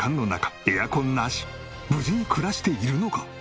無事に暮らしているのか？